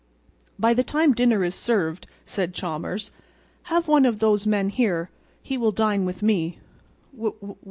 "By the time dinner is served," said Chalmers, "have one of those men here. He will dine with me."